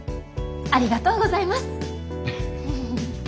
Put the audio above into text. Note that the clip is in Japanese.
ありがとうございます。